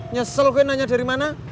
nyesel gue nanya dari mana